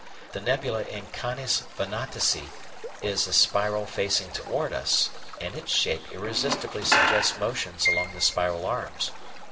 The nebula in Canes Venatici is a spiral facing towards us, and its shape irresistibly suggests motions along the spiral arms.